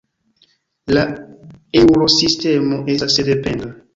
La Eŭrosistemo estas sendependa.